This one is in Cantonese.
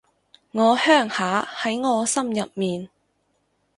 我鄉下喺我心入面